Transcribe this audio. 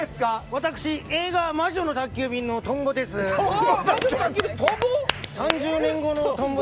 私、映画「魔女の宅急便」のトンボ？